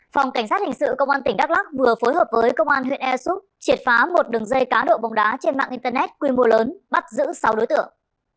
phòng cảnh sát hình sự công an tỉnh đắk lắc vừa phối hợp với công an huyện ea súp triệt phá một đường dây cá độ bóng đá trên mạng internet quy mô lớn bắt giữ sáu đối tượng